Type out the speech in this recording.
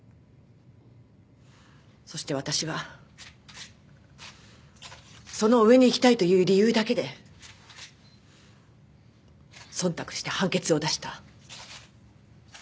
そして私はその上に行きたいという理由だけで忖度して判決を出した。